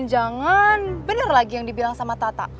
atau jangan jangan bener lagi yang dibilang sama tata